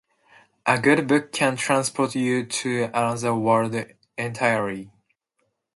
A good book can transport you to another world entirely.